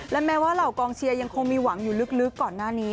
และแม้ว่าเหล่ากองเชียร์ยังคงมีหวังอยู่ลึกก่อนหน้านี้